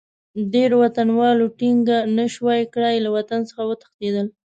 ډېرو وطنوالو ټینګه نه شوای کړای، له وطن څخه وتښتېدل.